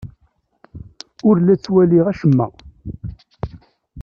Ur la ttwaliɣ acemma.